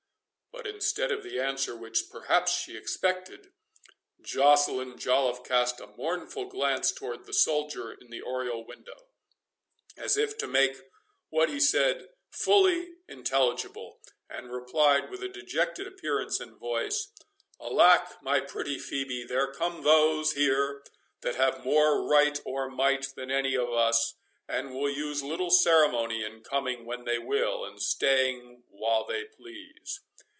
But instead of the answer which perhaps she expected, Joceline Joliffe cast a mournful glance towards the soldier in the oriel window, as if to make what he said fully intelligible, and replied with a dejected appearance and voice, "Alack, my pretty Phœbe, there come those here that have more right or might than any of us, and will use little ceremony in coming when they will, and staying while they please."